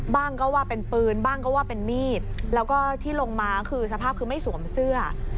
บ้างก็ว่าเป็นปืนบ้างก็ว่าเป็นมีดแล้วก็ที่ลงมาคือสภาพคือไม่สวมเสื้อ